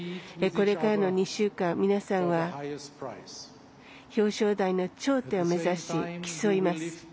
これからの２週間、皆さんは表彰台の頂点を目指し競います。